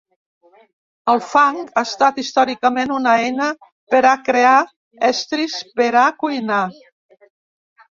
El fang ha estat històricament una eina per a crear estris per a cuinar.